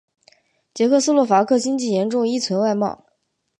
捷克斯洛伐克经济严重依存外贸。